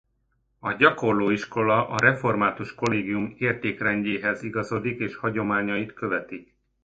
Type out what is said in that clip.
A gyakorló iskola a Református Kollégium értékrendjéhez igazodik és hagyományait követi.